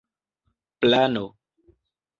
plano